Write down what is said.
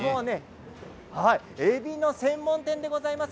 えびの専門店でございます。